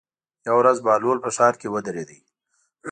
یوه ورځ بهلول په ښار کې ودرېد.